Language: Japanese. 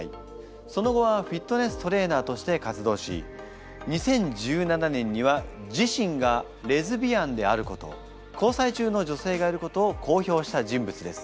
その後はフィットネストレーナーとして活動し２０１７年には自身がレズビアンであること交際中の女性がいることを公表した人物です。